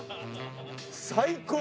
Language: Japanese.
最高！